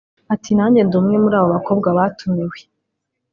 Ati “Nanjye ndi umwe muri abo bakobwa batumiwe